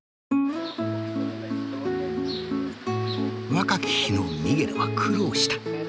若き日のミゲルは苦労した。